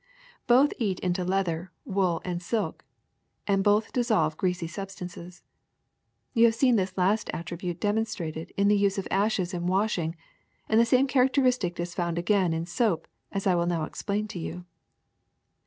Both eat into leather, wool, and silk ; and both dissolve greasy substances. You have seen this last attribute demonstrated in the use of ashes in washing; and the same characteristic is found again in soap, as I will now explain to you.